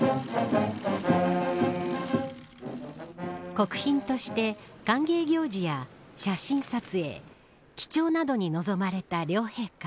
国賓として歓迎行事や写真撮影記帳などに臨まれた両陛下。